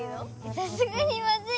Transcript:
さすがにまずいでしょ。